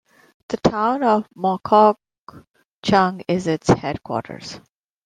The town of Mokokchung is its headquarters.